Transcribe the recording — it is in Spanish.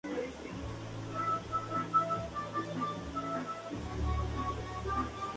Su origen se sitúa en la institución de la Merced medieval.